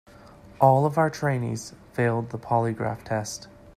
All of our trainees failed the polygraph test.